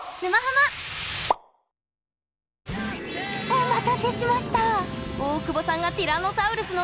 お待たせしました！